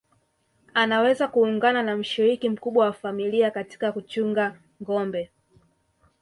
Anaweza kuungana na mshiriki mkubwa wa familia katika kuchunga ngombe